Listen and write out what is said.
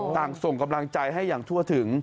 ส่งกำลังใจให้อย่างทั่วถึง